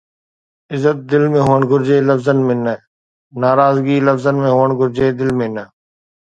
عزت دل ۾ هئڻ گهرجي لفظن ۾ نه. ناراضگي لفظن ۾ هئڻ گهرجي دل ۾ نه